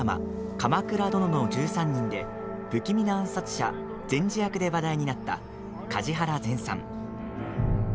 「鎌倉殿の１３人」で不気味な暗殺者、善児役で話題になった梶原善さん。